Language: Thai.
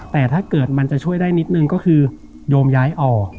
แต่ถ้าเกิดมันจะช่วยได้นิดนึงก็คือโยมย้ายออก